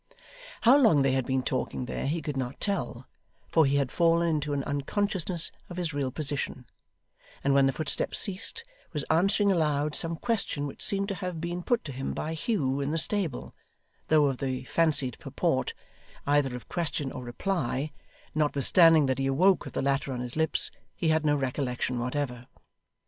How long they had been talking there, he could not tell, for he had fallen into an unconsciousness of his real position, and when the footsteps ceased, was answering aloud some question which seemed to have been put to him by Hugh in the stable, though of the fancied purport, either of question or reply, notwithstanding that he awoke with the latter on his lips, he had no recollection whatever.